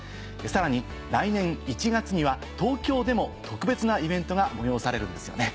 さらに来年１月には東京でも特別なイベントが催されるんですよね。